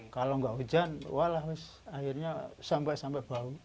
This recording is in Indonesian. kalau nggak hujan walah akhirnya sampai sampai bau